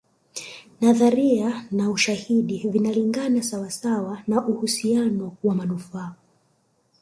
Nadharia na ushahidi vinalingana sawa sawa na uhusiano wa manufaa